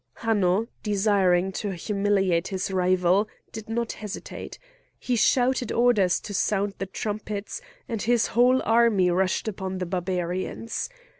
Hanno, desiring to humiliate his rival, did not hesitate. He shouted orders to sound the trumpets, and his whole army rushed upon the Barbarians.